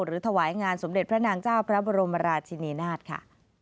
ถวายงานสมเด็จพระนางเจ้าพระบรมราชินีนาฏค่ะ